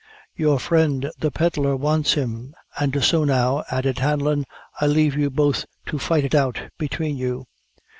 "Your friend, the pedlar, wants him; and so now," added Hanlon, "I leave you both to fight it out between you."